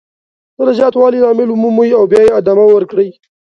د زیاتوالي لامل ومومئ او بیا یې ادامه ورکړئ.